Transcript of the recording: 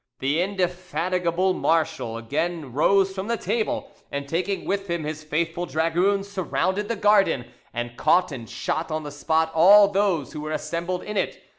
The indefatigable marshal again rose from table, and taking with him his faithful dragoons, surrounded the garden, and caught and shot on the spot all those who were assembled in it.